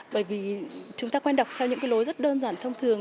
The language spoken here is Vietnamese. bởi vì chúng ta quen đọc theo những cái lối rất đơn giản thông thường